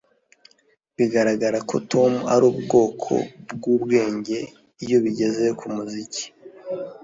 Biragaragara ko Tom ari ubwoko bwubwenge iyo bigeze kumuziki